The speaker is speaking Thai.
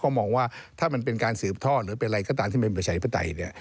ก็มองว่าถ้ามันเป็นการสืบท่อหรือเป็นอะไรก็ตามที่เป็นประชาธิปไตยเนี่ย